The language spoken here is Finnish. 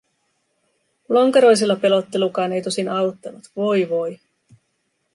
Lonkeroisella pelottelukaan ei tosin auttanut, voi, voi.